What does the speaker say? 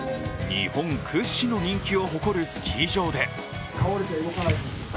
日本屈指の人気を誇るスキー場で。